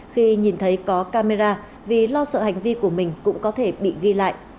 khi nhìn thấy có camera vì lo sợ hành vi của mình cũng có thể bị ghi lại